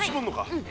うん。